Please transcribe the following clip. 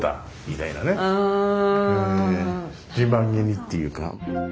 自慢げにっていうか。